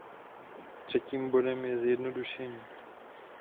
Třetím bodem je zjednodušení.